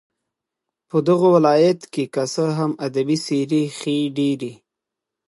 په دغه ولايت كې كه څه هم ادبي څېرې ښې ډېرې